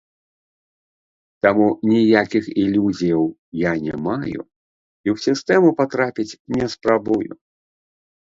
Таму ніякіх ілюзіяў я не маю і ў сістэму патрапіць не спрабую.